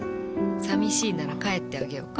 寂しいなら帰ってあげようか？